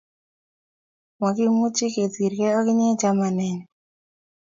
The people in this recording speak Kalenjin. Makimuchi kesirkei ak inye chamanenyu